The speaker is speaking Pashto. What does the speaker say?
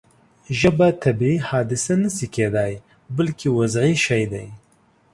ژبه طبیعي حادثه نه شي کېدای بلکې وضعي شی دی.